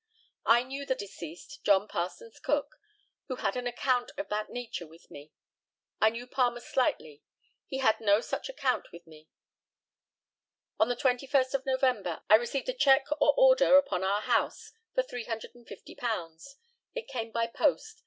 I knew the deceased, John Parsons Cook, who had an account of that nature with me. I knew Palmer slightly; he had no such account with me. On the 21st of November I received a cheque or order upon our house for £350. It came by post.